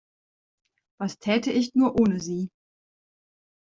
Was täte ich nur ohne Sie?